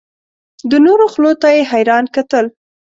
د نورو خولو ته یې حیران کتل.